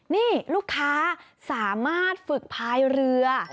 นี่ลูกค้าสามารถฝึกภายเรือ